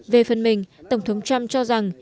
về phần mình tổng thống trump cho rằng